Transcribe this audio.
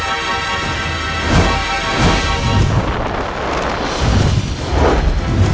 aku akan menangkapmu